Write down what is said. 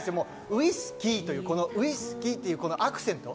ウイスキーという、このウイスキーというアクセント。